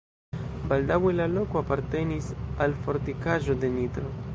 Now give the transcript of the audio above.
Baldaŭe la loko apartenis al fortikaĵo de Nitro.